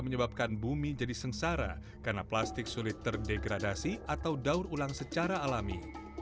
menyebabkan bumi jadi sengsara karena plastik sulit terdegradasi atau daur ulang secara alami